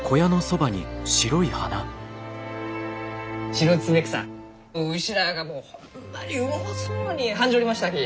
シロツメクサ牛らあがもうホンマにうもうそうに食んじょりましたき！